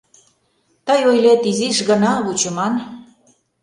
Тый ойлет: «Изиш гына вучыман».